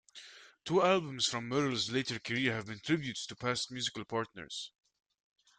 Two albums from Merrill's later career have been tributes to past musical partners.